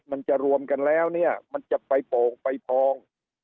มันจะรวมกันแล้วเนี่ยมันจะไปโป่งไปพอง